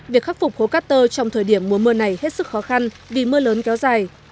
việc khắc phục hố cát tơ trong thời điểm mùa mưa này hết sức khó khăn vì mưa lớn kéo dài